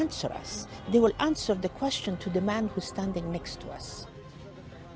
mereka akan menjawab pertanyaan kepada orang yang berdiri di sebelah kita